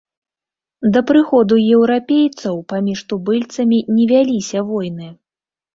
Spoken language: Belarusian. Да прыходу еўрапейцаў паміж тубыльцаў не вяліся войны.